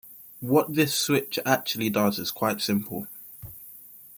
What this switch actually does is quite simple.